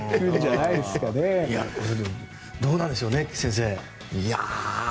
でも、どうなんでしょうね菊地先生。